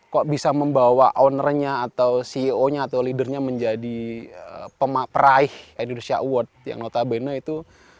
kok bisa membawa ownernya atau ceo nya atau leadernya menjadi peraih indonesia award yang notabene itu